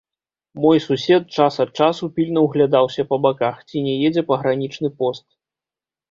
Мой сусед час ад часу пільна ўглядаўся па баках, ці не едзе пагранічны пост.